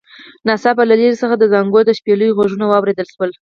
اگه يې نه مني.